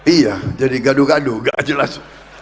iya jadi gaduh gaduh gak jelas